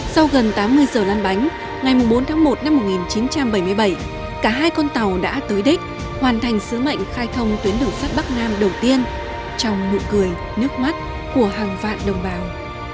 sau gần tám mươi giờ lan bánh ngày bốn tháng một năm một nghìn chín trăm bảy mươi bảy cả hai con tàu đã tới đích hoàn thành sứ mệnh khai thông tuyến đường sắt bắc nam đầu tiên trong nụ cười nước mắt của hàng vạn đồng bào